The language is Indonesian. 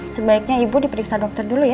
sebaiknya ibu diperiksa dokter dulu ya